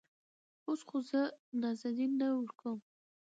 اوس خو زه نازنين نه ورکوم.